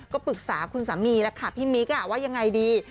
ก็ปรึกษาคุณสามีแล้วค่ะพี่มิ๊กว่ายังไงดี